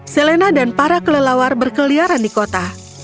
selena dan para kelelawar berkeliaran di kota